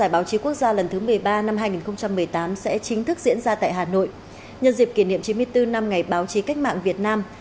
báo chí quốc gia lần thứ một mươi ba năm hai nghìn một mươi tám sẽ chính thức diễn ra tại hà nội nhân dịp kỷ niệm chín mươi bốn năm ngày báo chí cách mạng việt nam